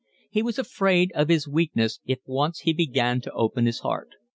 He was afraid of his weakness if once he began to open his heart.